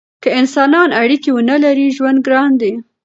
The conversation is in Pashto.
که انسانان اړیکې ونلري ژوند ګران دی.